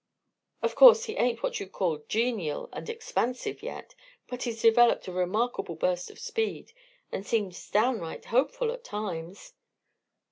Of course, he ain't what you'd call genial and expansive yet, but he's developed a remarkable burst of speed, and seems downright hopeful at times."